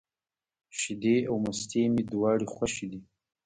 شیدې او مستې مي دواړي خوښي دي.